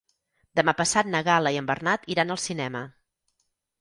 Demà passat na Gal·la i en Bernat iran al cinema.